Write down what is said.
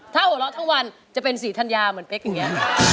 ถ้าหัวเราะทั้งวันจะเป็นศรีธัญญาเหมือนเป๊กอย่างนี้